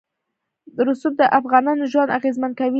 رسوب د افغانانو ژوند اغېزمن کوي.